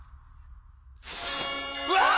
うわ！